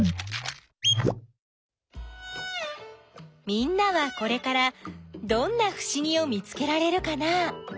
みんなはこれからどんなふしぎを見つけられるかな？